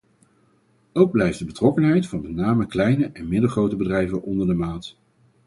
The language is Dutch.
Ook blijft de betrokkenheid van met name kleine en middelgrote bedrijven onder de maat.